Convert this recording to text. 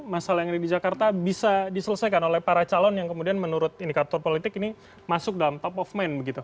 masalah yang ada di jakarta bisa diselesaikan oleh para calon yang kemudian menurut indikator politik ini masuk dalam top of mind begitu